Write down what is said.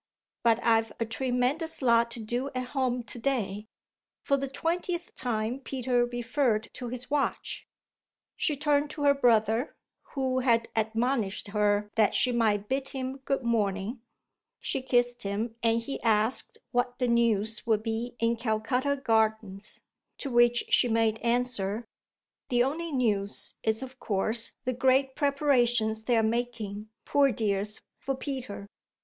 But I've a tremendous lot to do at home to day." For the twentieth time Peter referred to his watch. She turned to her brother, who had admonished her that she might bid him good morning. She kissed him and he asked what the news would be in Calcutta Gardens; to which she made answer: "The only news is of course the great preparations they're making, poor dears, for Peter.